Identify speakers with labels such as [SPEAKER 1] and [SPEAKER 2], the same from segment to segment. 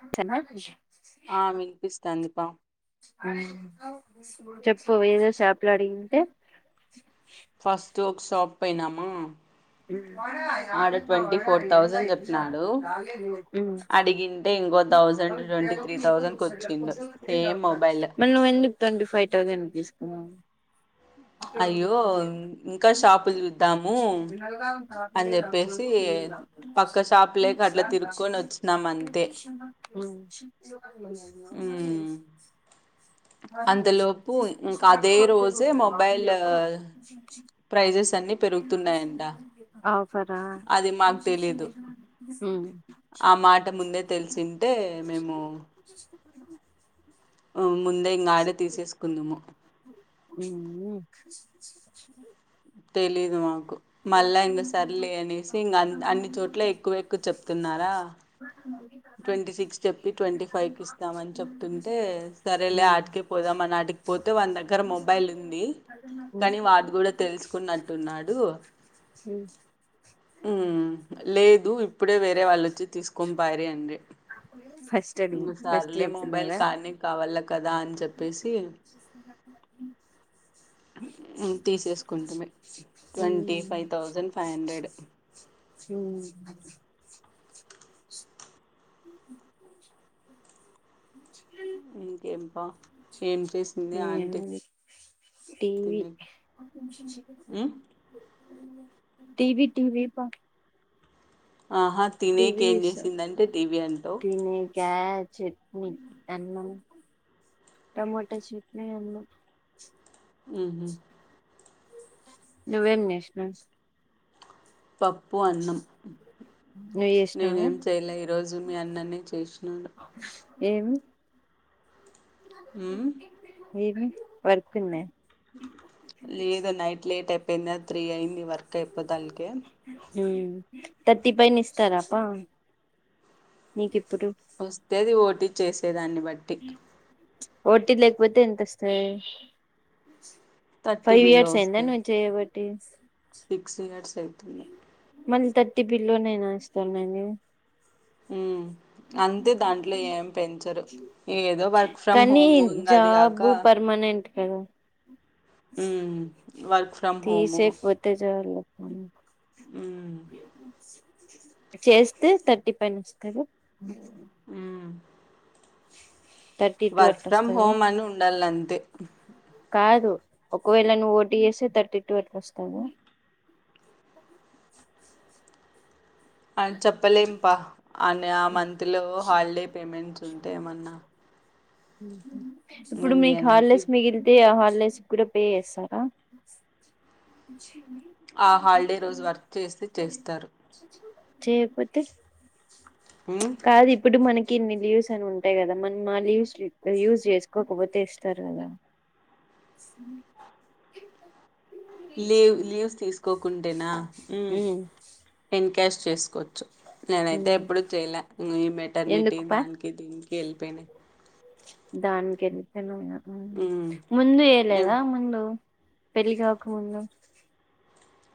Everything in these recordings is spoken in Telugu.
[SPEAKER 1] అంతేనా
[SPEAKER 2] ఆ విలిపిస్తాంది పా
[SPEAKER 1] చెప్పు ఏదో చేపలు అడిగింటే
[SPEAKER 2] తోక్ షాప్ పోయేనామా
[SPEAKER 1] ఉ
[SPEAKER 2] ఫోర్ థౌజండ్ చెప్పినాడు అడిగింటే ఇంకో థౌజండ్ ట్వంటీ త్రీ థౌజండ్ కి వచ్చిండు సేమ్ మొబైల్
[SPEAKER 1] మళ్లీ నువ్వు ఎందుకు ట్వంటీ ఫైవ్ తౌస్ సేండ్ తీసుకున్నావ
[SPEAKER 2] అయ్యో ఇంకా షాపులు చూద్దాము. అని చెప్పేసి పక్క షాప్ లేక అట్లా తిరుక్కొని వచ్చినాం అంతే
[SPEAKER 1] ఊ
[SPEAKER 2] ఉమ్
[SPEAKER 1] [unintelligible]
[SPEAKER 2] అంతలోపు ఇంకా అదే రోజే మొబైల్
[SPEAKER 1] [unintelligible]
[SPEAKER 2] ప్రైజెస్ అన్ని పెరుగుతున్నాయంట
[SPEAKER 1] ఆఫరా
[SPEAKER 2] అది మాకు తెలీదు
[SPEAKER 1] ఊ
[SPEAKER 2] ఆ మాట ముందే తెలిసింటే మేము ముందే ఇంగ ఆడే
[SPEAKER 1] ఊ
[SPEAKER 2] తీసేసుకుందుము
[SPEAKER 1] ఊ
[SPEAKER 2] తెలీదు మాకు మళ్ళా ఇంక సర్లే అనేసి ఇంకా అన్ని చోట్ల ఎక్కువ ఎక్కువ చెప్తున్నారు రా ట్వంటీ సిక్స్ చెప్పి ట్వంటీ ఫైవ్ కి ఇస్తామని చెప్తుంటే సరేలే ఆటికే పోదాంని ఆటికి పోతే వాన్ దగ్గర మొబైల్ ఉంది కానీ వాడు కూడా తెలుసుకున్న టున్నాడు ఊ లేదు ఇప్పుడే వేరే వాళ్ళుచ్చి తీసుకొని పాయిరి అని
[SPEAKER 1] ఫస్ట్ అడుగు
[SPEAKER 2] ఇగ
[SPEAKER 1] ఫస్ట్
[SPEAKER 2] సార్లే మొబైల్
[SPEAKER 1] చెప్తున్నారా
[SPEAKER 2] కానీ కావాల కా ఊ తీసేసుకుంటిమి twenty five thousand five hundred
[SPEAKER 1] ఊ
[SPEAKER 2] ఇంకేం పా ఏం చేసింది ఆంటీ
[SPEAKER 1] టీవి
[SPEAKER 2] తినే ఉమ్
[SPEAKER 1] టీవీ టీవీ పా
[SPEAKER 2] ఆహా తినేకి
[SPEAKER 1] టీవీ
[SPEAKER 2] ఏం
[SPEAKER 1] యూస్తుంది
[SPEAKER 2] చేసిందంటే టీవీ అంటావ్
[SPEAKER 1] టీవీ కా చట్నీ అన్నం టొమటో చట్నీ అన్నం
[SPEAKER 2] ఊహు
[SPEAKER 1] నువ్వేం జేష్ణవ్
[SPEAKER 2] పప్పు అన్నం
[SPEAKER 1] నువ్వు చేసినావా
[SPEAKER 2] నేనేం చేయలే ఈరోజు మీ అన్ననే చేసినాడు
[SPEAKER 1] ఏం
[SPEAKER 2] ఊ
[SPEAKER 1] ఏమీ వర్కుందా
[SPEAKER 2] లేదు నైట్ లేట్ అయిపోయింది అది త్రీ అయింది వర్క్ అయిపోదలకే
[SPEAKER 1] ఊ థర్టీ పైన ఇస్తారాప్ప నీకిప్
[SPEAKER 2] వస్తది ఓటీ చేసేదాన్ని బట్టి
[SPEAKER 1] ఒటి లేక్పోతే ఎంతస్తది
[SPEAKER 2] థర్టీ
[SPEAKER 1] ఫైవ్
[SPEAKER 2] బిలో
[SPEAKER 1] ఇయర్స్ ఐందా
[SPEAKER 2] వస్తది
[SPEAKER 1] నువ్ చెయబటి
[SPEAKER 2] దవుతుందే
[SPEAKER 1] మళ్ళీ థర్టీ బిల్ల్లోనేనా ఇస్తునారు
[SPEAKER 2] ఊ అంతే దాంట్లో ఏం పెంచరు ఏదో వర్క్ ఫ్రమ్
[SPEAKER 1] కానీ
[SPEAKER 2] హోము ఇంగ అది కాక
[SPEAKER 1] ఏమో
[SPEAKER 2] ఊ ఊ
[SPEAKER 1] తీసే పోతే చాలు పోనీ
[SPEAKER 2] ఊ
[SPEAKER 1] చేస్తే థర్టీ పైన వస్తద
[SPEAKER 2] ఊ
[SPEAKER 1] థర్టీ టూ
[SPEAKER 2] వర్క్
[SPEAKER 1] అట్లా
[SPEAKER 2] ఫ్రమ్
[SPEAKER 1] వస్తదా
[SPEAKER 2] హోమ్ అని ఉండాలంతే
[SPEAKER 1] కాదు ఒకవేళ నువ్వు ఓటీ చేసే థర్టీ టూ అట్లా వస్తద
[SPEAKER 2] అని చెప్పలేం పా అని ఆ మంత్లో హాలిడే పేమెంట్స్ ఉంటే ఏమన్నా ఇంగ
[SPEAKER 1] ఇప్పుడు
[SPEAKER 2] మీ
[SPEAKER 1] మీకు
[SPEAKER 2] అన్నకి
[SPEAKER 1] హార్లెస్ మిగిలితే ఆ హార్లేస్ కూడా పే చేస్తారా
[SPEAKER 2] ఆ హాలిడే రోజు వర్క్ చేస్తే చేస్తారు
[SPEAKER 1] చేయకపోతే
[SPEAKER 2] హ్మ్.
[SPEAKER 1] కాదు ఇప్పుడు మనకి ఇన్ని లీవ్స్ అని ఉంటాయి కదా మనం మా లీవ్స్ యూజ చేసుకోకపోతే ఇస్తారు కదా
[SPEAKER 2] లీవ్ లీవ్ తీసుకోకుంటేనా
[SPEAKER 1] ఉమ్,
[SPEAKER 2] టన్ క్యాష్ చేసుకోవచ్చు నేనైతే
[SPEAKER 1] ఉమ్.
[SPEAKER 2] ఎప్పుడు చేయలే ఈ మెటర్నిటీ
[SPEAKER 1] ఎందుకు పా
[SPEAKER 2] దానికి దీనికి వెళ్ళిపోయినా
[SPEAKER 1] దాన్కెలితేను
[SPEAKER 2] హ్మ్.
[SPEAKER 1] ముందు
[SPEAKER 2] నేను
[SPEAKER 1] చేళదా ముందు పెళ్లి కావకముందు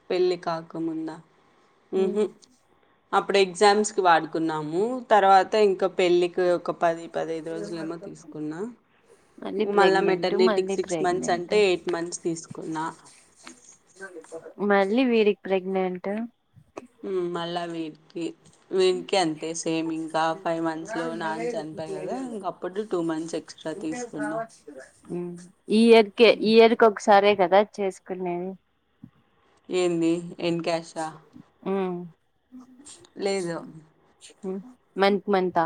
[SPEAKER 2] పెళ్ళికకు ముంద
[SPEAKER 1] ఉమ్.
[SPEAKER 2] ఉహు అప్పుడు ఎగ్జామ్స్ కి వాడుకున్నాము తర్వాత ఇంకా పెళ్ళికి ఒక పది పదహైదు రోజులు ఏమో తీసుకున్నా
[SPEAKER 1] మళ్ళీ
[SPEAKER 2] మళ్ళా
[SPEAKER 1] ప్రెగ్నెంట్
[SPEAKER 2] మెటర్నిటీకి
[SPEAKER 1] మళ్ళీ
[SPEAKER 2] సిక్స్ మంత్స్
[SPEAKER 1] ప్రెగ్నెంట్
[SPEAKER 2] అంటే ఎయిట్ మంత్స్ తీసుకున్నా
[SPEAKER 1] మళ్ళీ వీరికి ప్రెగ్నెంట్
[SPEAKER 2] మళా వీడికి వీనికి అంతే సేమ్ ఇంకా ఫైవ్ మంత్స్ లో నాన చనిపోయి కదా ఇంకప్పుడు టూ మంత్స్ ఎక్స్ట్రా తిసుకున్నా
[SPEAKER 1] ఈ ఇయర్కే ఈ ఇయర్ క ఒకసారే కదా చేసుకునేది
[SPEAKER 2] ఏంది ఎన్కా్యాషా
[SPEAKER 1] ఉమ్,
[SPEAKER 2] లేదు
[SPEAKER 1] మంత్మంత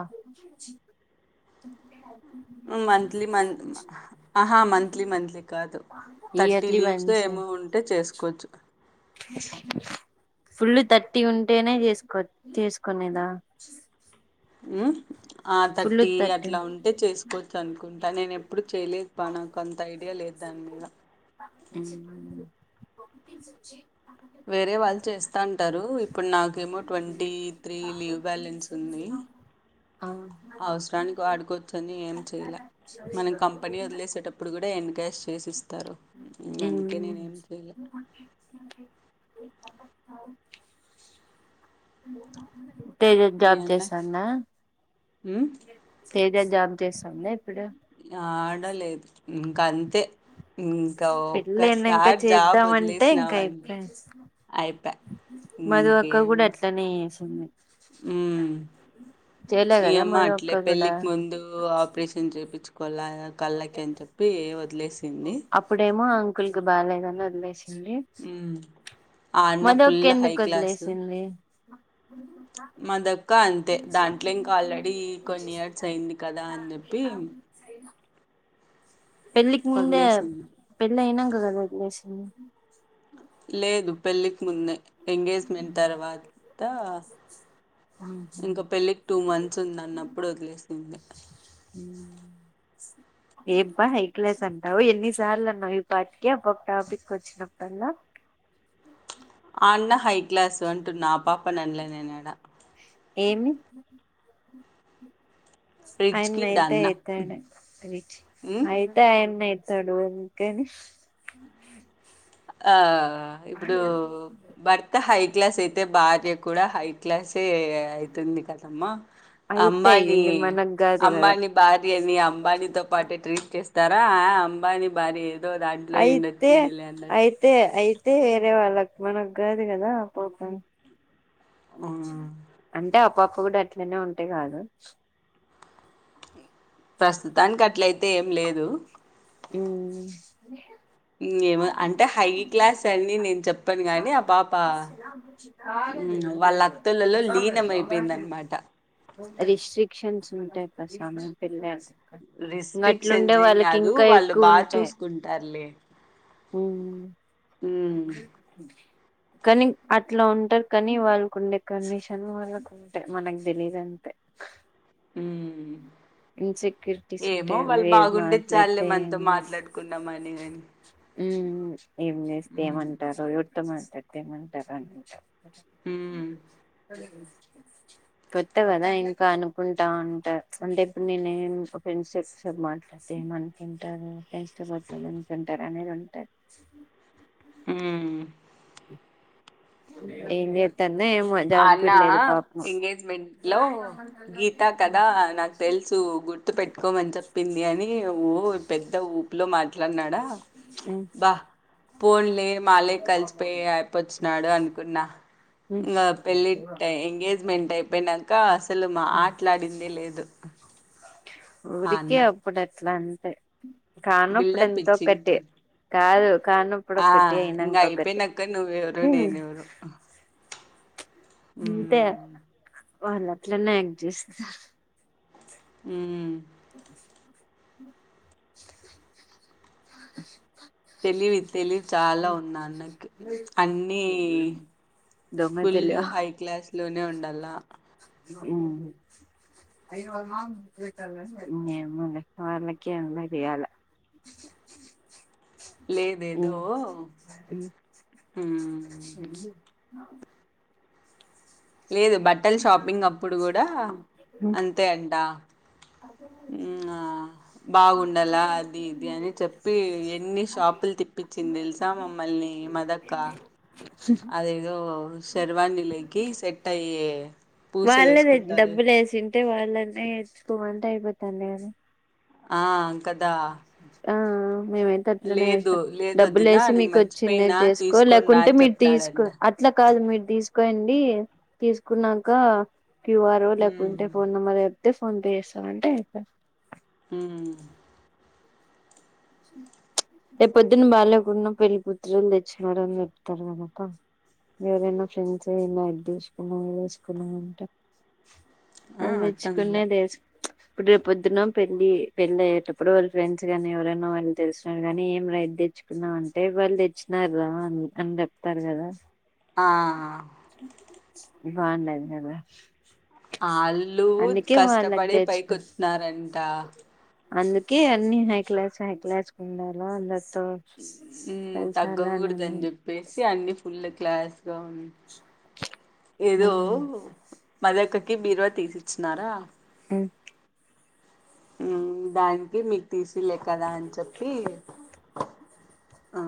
[SPEAKER 2] మంత్లీ మహా మంత్లీ మంత్లీ కాదు థర్టీ
[SPEAKER 1] ఇయర్లీ
[SPEAKER 2] లీవ్స్
[SPEAKER 1] వన్స్
[SPEAKER 2] ఏమో ఉంటే చేసుకోవచ్చు
[SPEAKER 1] [inaudible] ఫుల్ థర్టీ ఉంటేనే చేసుకో చేసుకోనేదా
[SPEAKER 2] ఉ ఆ తట్ టి
[SPEAKER 1] థర్టీ
[SPEAKER 2] అట్లా ఉంటే చేసుకోవచ్చు అనుకుంటాను నేను ఎప్పుడు చేయలేదు నాకు అంత ఐడి లేదు దాని మీద
[SPEAKER 1] ఉ
[SPEAKER 2] వేరే వాళ్ళు చేస్తా అంటారు ఇప్పుడు నాకేమో ట్వంటీ త్రీ లీవ్ బ్యాలెన్స్ ఉంది అ అవసరానికి వాడుకోవచ్చని ఏం చెయలే మనం కంపెనీ వదిలేసేటప్పుడు కూడా ఎండ్ క్యాష్ చేసి ఇస్తారు అందుకే నేనే ఏం చేయలే అ
[SPEAKER 1] తెజు
[SPEAKER 2] మీ
[SPEAKER 1] జాబ్
[SPEAKER 2] అన్న
[SPEAKER 1] చేస్తాన్న
[SPEAKER 2] ఉమ్
[SPEAKER 1] తేజ జాబ్ చేస్తాంది
[SPEAKER 2] ఆడలేదు ఇంక అంతే ఇంకా
[SPEAKER 1] పెళ్ళైన ఇంక
[SPEAKER 2] ఒక్కసారి జాబ్
[SPEAKER 1] చేద్దామంటే
[SPEAKER 2] వదిలేసినామ
[SPEAKER 1] ఇంకా ఇప్పుడే
[SPEAKER 2] అయిపయ్
[SPEAKER 1] మధు అక్క
[SPEAKER 2] ఇంకేం
[SPEAKER 1] కూడా అట్లనే చేసింది
[SPEAKER 2] ఉ
[SPEAKER 1] చేయల
[SPEAKER 2] ఇయమ్మా అట్లే పెళ్ళికి ముందు ఆపరేషన్ చేయిించుకోవాల కళ్ళకి అని చెప్పి ఏ వ
[SPEAKER 1] అప్పుడేమో అంకుల్ కి బాలేదని వదిలేసిండి
[SPEAKER 2] హ్మ్. ఆ అన్న
[SPEAKER 1] మదవకి
[SPEAKER 2] ఫుల్ హై
[SPEAKER 1] ఎందుకు
[SPEAKER 2] క్లాసు.
[SPEAKER 1] వద్లేసిలి
[SPEAKER 2] మాదక్క అంతే దాంట్లో ఇంకా ఆల్రెడీ కొన్ని ఇయర్స్ అయింది కదా అని చెప్పి
[SPEAKER 1] పెళ్ళికి ముంద
[SPEAKER 2] వదిలేసింది.
[SPEAKER 1] పెళ్ళ ఇనాంగా కద వద్లేసింది
[SPEAKER 2] లేదు పెళ్ళికి ముందే ఎంగేజ్మెంట్ తర్వాత ఇంకా పెళ్ళికి టూ మంత్స్ ఉంది అన్నప్పుడు వదిలేసింది
[SPEAKER 1] ఆ ఏం బ హై క్లాస్ అంటావు ఎన్నిసార్లు అన్నావు ఈ పాటికి అ టాపిక్ వచ్చినప్పుడల్లా
[SPEAKER 2] అ ఆ అన్న హై క్లాసు అంటున్న ఆ పాప నన్నలే నేనాడా
[SPEAKER 1] ఏమి
[SPEAKER 2] రిచ్ కిడ్ ఆ
[SPEAKER 1] అయినయితే
[SPEAKER 2] అన్న.
[SPEAKER 1] అయితే అన రీచి
[SPEAKER 2] హ్మ్.
[SPEAKER 1] ఆయితే అయన్నయి తడుంకానీ
[SPEAKER 2] ఆ ఇప్పుడు భర్త హై క్లాస్ అయితే భార్య కూడా హై క్లాస్ అయితుంది కదమ్మా
[SPEAKER 1] అయితే
[SPEAKER 2] అంబానీ
[SPEAKER 1] అయ్యింది మనకు కాదు కదా
[SPEAKER 2] అంబానీ భార్య అని అంబానీతో పాటు ట్రీట్ చేస్తారా అంబానీ భార్య ఏదో దాంట్లో
[SPEAKER 1] అయితే
[SPEAKER 2] నిండొచ్చిందిలే అన్నట్టు
[SPEAKER 1] అయితే అయితే అతే వేరే వాళ్ళకి మనకు కాదు కదా పోతం
[SPEAKER 2] హ్మ్.
[SPEAKER 1] అంటే అప్పప్ప కూడా అట్లనే ఉంటాయి కాదు
[SPEAKER 2] ప్రస్తుతానికి అట్లయితే ఏం లేదు
[SPEAKER 1] ఉ
[SPEAKER 2] ఏము అంటే హై క్లాస్ అని నేను చెప్పాను కానీ ఆ పాప వాళ్ళ అతులలో లీనం అయిపోయింద అనమాట
[SPEAKER 1] రిస్ట్రిక్షన్స్ ఉంటాయి ప్ర సమం పిల్ల
[SPEAKER 2] రిస్ట్రిక్షన్స్ ఏం కాదు వాళ్ళు
[SPEAKER 1] ఎక్కువ
[SPEAKER 2] బాగా చూసుకుంటారులే
[SPEAKER 1] హ
[SPEAKER 2] ఉమ్
[SPEAKER 1] కానీ అట్లా ఉంటారు కానీ వాళ్ళకు ఉండే కండిషన్ వాళ్ళకు ఉంటాయి మనకు తెలీదుంతే
[SPEAKER 2] హ
[SPEAKER 1] ఇన్సెక్యూరిటీస్
[SPEAKER 2] ఏమో
[SPEAKER 1] ఉంటాయి అవి
[SPEAKER 2] వాళ్ళు
[SPEAKER 1] ఏది
[SPEAKER 2] బాగుంటే చాలులే
[SPEAKER 1] మాట్లాడితే ఏం
[SPEAKER 2] మతో
[SPEAKER 1] చేస్
[SPEAKER 2] మాట్లాడుకున్నామనే కాని
[SPEAKER 1] ఏం చేస్తే ఏమంటారో ఎవరితో మాట్లాడితే ఏమంటారో అనింటారు
[SPEAKER 2] ఉమ్
[SPEAKER 1] అది కొత్త కదా ఇంకా అనుకుంటా ఉంటారు అంటే ఇప్పుడు నేనే ఫ్రెండ్స్ట మాట్లాడతేం అనుకుంటారు ఫ్రెండ్స్టట్ ఉంటారు అనేది ఉంటారు
[SPEAKER 2] ఉమ్
[SPEAKER 1] ఏమ్ ఎన్ ఏమో
[SPEAKER 2] ఆ
[SPEAKER 1] జాబ్
[SPEAKER 2] అన్న
[SPEAKER 1] కూడా లేదు పాపం
[SPEAKER 2] ఎంగేజ్మెంట్ లో గీతా కదా నాకు తెలుసు గుర్తు పెట్టుకోమని చెప్పింది అని ఓ పెద్ద ఊపులం అట్లనడా
[SPEAKER 1] మ్మ్
[SPEAKER 2] అబ్బ ఫోన్ లే మాలగే కలిసిపోయి అయిపోచ్చినడు అనుకున్నా
[SPEAKER 1] మ్మ్
[SPEAKER 2] ఇంకా పెళ్ళి ఎంగేజ్మెంట్ అయిపోయినాక అసలు మా మాట్లాడిందే లేదు ఆ
[SPEAKER 1] ఊరికే
[SPEAKER 2] అన్న
[SPEAKER 1] అప్పుడు అట్లా అంటే కానప్పుడు
[SPEAKER 2] బిల్డప్
[SPEAKER 1] ఎంతొటి
[SPEAKER 2] ఇచ్చింటరు
[SPEAKER 1] కాదు కానప్పుడు
[SPEAKER 2] ఆ
[SPEAKER 1] ఒకటి
[SPEAKER 2] ఇకా
[SPEAKER 1] అయినంక ఒకటి
[SPEAKER 2] అయిపోయింది అక్క నువ్వెవరు నేను ఎవరు
[SPEAKER 1] అంతే వాళట్లన్నా లైక్ చేస్త
[SPEAKER 2] ఉ
[SPEAKER 1] [inaudible]
[SPEAKER 2] తెలివి తెలివి చాలా ఉంది అన్నకు అన్నీ
[SPEAKER 1] దొంగ
[SPEAKER 2] ఫుల్
[SPEAKER 1] తెలివ
[SPEAKER 2] హై క్లాస్ లోనే ఉండాల
[SPEAKER 1] ఏమో లే వాళ్ళక అన్ని జేయాల
[SPEAKER 2] లేదదో
[SPEAKER 1] స
[SPEAKER 2] లేదు బట్టలు షాపింగ్ అప్పుడు కూడా అంతే అంట ఆ బాగుండాల అది ఇది అని చెప్పి ఎన్ని షాపులు తిప్పించింది తెలుసా మమ్మల్ని లే మదక్క అదేదో సెర్వానిలకి సెట్ అయ్యే పూసలు
[SPEAKER 1] వాళ్ళదే
[SPEAKER 2] వేసుకుంటారు
[SPEAKER 1] డబ్బులు యేసింటే వాళ్ళనే తెచ్చుకోమంటే అయిపోతంది గదా
[SPEAKER 2] ఆ కదా
[SPEAKER 1] ఆ మేమైతే అట్లనే
[SPEAKER 2] లేదు
[SPEAKER 1] చేస్తాం
[SPEAKER 2] లేదు వదినా
[SPEAKER 1] డబ్బులేసి
[SPEAKER 2] నేను
[SPEAKER 1] మీకు వచ్చింది
[SPEAKER 2] మర్చిపోయినా
[SPEAKER 1] చేసుకో
[SPEAKER 2] తీసుకొని రా
[SPEAKER 1] లేకుంటే
[SPEAKER 2] అని
[SPEAKER 1] మీరు తీసుకో
[SPEAKER 2] చెప్తున్నాడంట
[SPEAKER 1] అట్లా కాదు మీరు దీసు కోండి తీసుకున్నాక క్యూఆర్
[SPEAKER 2] ఉమ్
[SPEAKER 1] లేకుంటే ఫోన్ నెంబర్ తే ఫోన్ పే చేసాం అంటే అయిపాయ్
[SPEAKER 2] ఉమ్
[SPEAKER 1] [inaudible] రేపు పొద్దున్న బాలేకున్నా పెళ్ళి కూతురోల్లు తెచ్చినారని జెప్తారు కదా అక్క ఎవరైనా ఫ్రెండ్సే ఏమ్మా ఇది తీసుకున్నావు యేసుకున్నావు అంటే
[SPEAKER 2] ఆ
[SPEAKER 1] అల్
[SPEAKER 2] అర్థం కాల
[SPEAKER 1] దెచ్చుకునేద్ యేస్ ఇప్పుడు రే పొద్దున పెళ్ళి పెళ్ళి అయ్యేటప్పుడు వాళ్ళ ఫ్రెండ్స్ కానీ ఎవరైనా మా వాళ్ళు తెలిసిన గానీ ఏం రా ఇది తెచ్చుకున్నాం అంటే వాళ్ళు దెచ్చినారు రా అని జెప్తారు గదా
[SPEAKER 2] ఆ
[SPEAKER 1] బాగుండు గదా
[SPEAKER 2] ఆళ్ళు కష్టపడి పైకి
[SPEAKER 1] తెచ్చుకు
[SPEAKER 2] వచ్చిన్నారంట
[SPEAKER 1] అందుకే అన్ని హై క్లాస్ హై క్లాస్ కు ఉండాలా అంద తో
[SPEAKER 2] ఉమ్
[SPEAKER 1] కల్సాలా అని ఉంది
[SPEAKER 2] తగ్గకూడదని చెప్పేసి అన్ని ఫుల్ [unintelligible] ఏదో మదక్కకి బీరువా తీసి ఇచ్చినారా
[SPEAKER 1] [inaudible]
[SPEAKER 2] ఉమ్ దానికి మీకు తీసిళ్లే కదా అని చెప్పి ఆ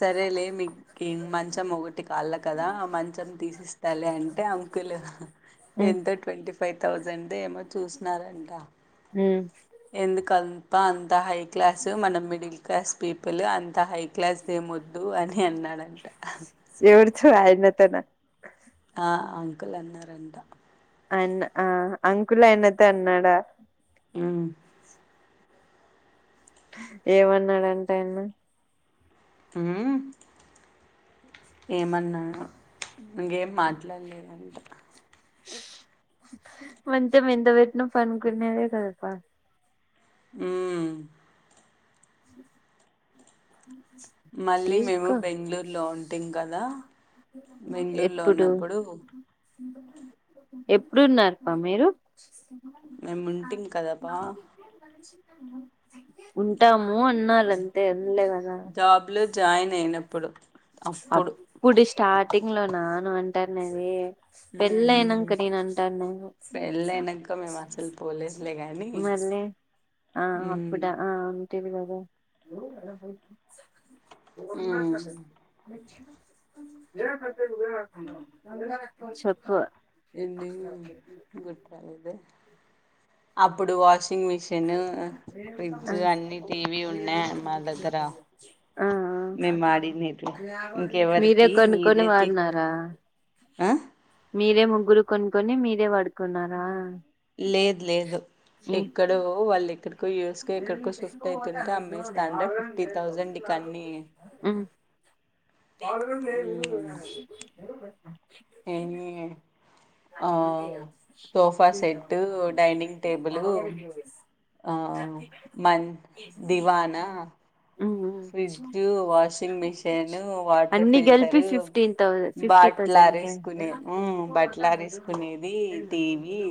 [SPEAKER 2] సరేలే మీకి మంచం మొక టి కాళ్ళ కదా మంచం తీసిస్తాలే అంటే అంకులు ఎంత ట్వంటీ ఫైవ్ థౌజండ్ ఏమో చూసినారంట ఎందుకబ్బ అంత హై క్లాస్ మనం మిడిల్ క్లాస్ పీపుల్ అ అంత హై క్లాస్ దేమొద్దు అని అన్నాడంట
[SPEAKER 1] ఎవచో ఆయన తోనా
[SPEAKER 2] ఆ అంకుల్ అన్నా రంట
[SPEAKER 1] అన్న ఆ అంకుల్ ఆయనతో అన్నాడా
[SPEAKER 2] ఉమ్
[SPEAKER 1] ఏమన్నాడంటా ఆయన
[SPEAKER 2] ఉమ్ ఏమన్నాడా ఇకేం మాట్లాడలేదంట
[SPEAKER 1] మంచం ఎంత బెట్టినా పన్కునేేదే గదా అక్కా
[SPEAKER 2] ఉమ్
[SPEAKER 1] [inaudible]
[SPEAKER 2] మళ్ళీ మేము
[SPEAKER 1] తీసుకో
[SPEAKER 2] బెంగళూరులో ఉం టిం గదా బెంగళూరులో ఉన్నప్పుడు
[SPEAKER 1] ఎప్పుడున్నారప్ప మీరు
[SPEAKER 2] మేముంటిమి కదా అబ్బా
[SPEAKER 1] అ ఉంటాము అన్నారు అంతే ఉండలేగదా
[SPEAKER 2] జాబ్లో జాయిన్ అయినప్పుడు
[SPEAKER 1] అప్పుడు స్టార్టింగ్ లో నా నువ్వు అంటానేది పెళ్ళి
[SPEAKER 2] ఉమ్
[SPEAKER 1] అయినంక నే
[SPEAKER 2] పెళ్ళైనంక మేము అసలు పోలేదులే గాని
[SPEAKER 1] అంటునేది లే అ ఆ
[SPEAKER 2] ఉమ్
[SPEAKER 1] అప్పుడే ఆ ఉంటివి గదా
[SPEAKER 2] ఉమ్
[SPEAKER 1] చెప్పు
[SPEAKER 2] ఎన్ని గుర్తు రాలేదే అప్పుడు వాష్ వాషింగ్ మిషిన్ ఫ్రిడ్జ్
[SPEAKER 1] ఆ
[SPEAKER 2] అన్నీ టీవీ ఉన్నాయి. మా దగ్గర
[SPEAKER 1] ఆ
[SPEAKER 2] మేం మడి నిద్ర
[SPEAKER 1] మీరే
[SPEAKER 2] ఇంకెవరికి
[SPEAKER 1] కొనుక్కొని
[SPEAKER 2] మీదేతి
[SPEAKER 1] వాడినారా
[SPEAKER 2] ఆ
[SPEAKER 1] మీరే ముగ్గురు కొనుకోన్ని మీరే వడుకున్నారా
[SPEAKER 2] లేదు లేదు ఎక్కడో వాళ్ళు ఎక్కడో యూఎస్కో ఎక్కడికో షిఫ్ట్ అయితుంటే అమ్మేస్తాండ ఫిఫ్టీ థౌజండ్ ఇక అన్ని
[SPEAKER 1] వాళగ లేే
[SPEAKER 2] హ్మ్ [unintelligible] సోఫా సెట్టు డైనింగ్ టేబులు మన్ దివానా
[SPEAKER 1] మ్మ్ మ్మ్
[SPEAKER 2] ఫ్రిడ్జ్ వాషింగ్ మిషిన్ వాటర్
[SPEAKER 1] అన్ని కలిపి
[SPEAKER 2] filter
[SPEAKER 1] fifteen thousand fifty thousand
[SPEAKER 2] బాట్లర్
[SPEAKER 1] కే
[SPEAKER 2] వేసుకునే బట్టలారేసుకునేది టీవీ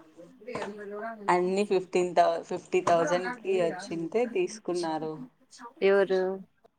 [SPEAKER 1] అ ఎప్పు ఎర రూ
[SPEAKER 2] అన్ని ఫిఫ్టీన్ ఫిఫ్టీ థౌజండ్ కి వచ్చింటె తీసుకున్నారు.
[SPEAKER 1] ఎవరు